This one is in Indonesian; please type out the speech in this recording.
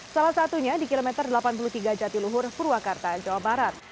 salah satunya di kilometer delapan puluh tiga jatiluhur purwakarta jawa barat